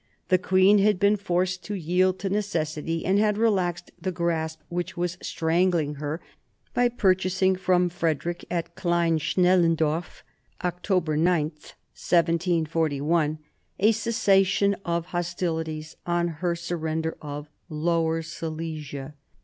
The queen had been forced to yield to necessity, and had relaxed the grasp which was strangling her by purchasing from Frederick at Klein Schnellendorf (Oct 9, 1741) a cessation of hostilities on her surrender of Lower Silesia.